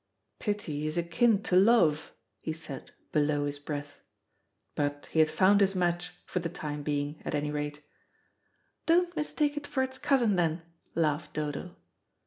"Pity is akin to love," he said below his breath. But he had found his match, for the time being, at any rate. "Don't mistake it for it's cousin, then," laughed Dodo.